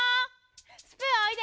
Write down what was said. スプーおいで。